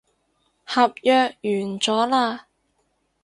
合約完咗喇